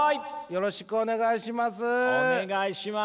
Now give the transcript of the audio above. よろしくお願いします。